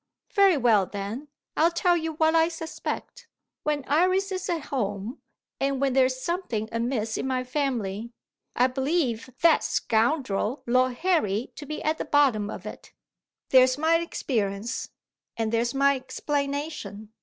"Very well, then; I'll tell you what I suspect. When Iris is at home, and when there's something amiss in my family, I believe that scoundrel Lord Harry to be at the bottom of it. There's my experience, and there's my explanation.